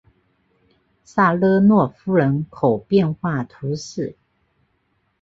萨勒诺夫人口变化图示